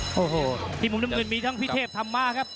โอ้โหที่มุมน้ำเงินมีทั้งพี่เทพธรรมะครับ